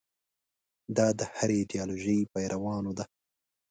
دا د هرې ایدیالوژۍ پیروانو ده.